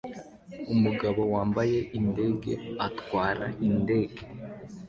Umugabo wambaye indege atwara indege